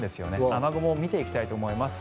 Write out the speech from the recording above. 雨雲を見ていきたいと思います。